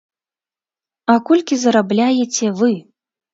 А колькі зарабляеце вы?